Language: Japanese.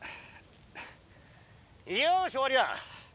よし終わりだ！